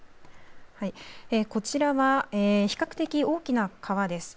こちらは比較的、大きな川です。